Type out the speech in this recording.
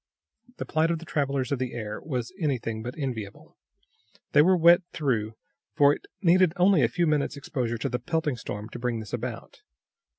The plight of the travelers of the air was anything but enviable. They were wet through, for it needed only a few minutes exposure to the pelting storm to bring this about.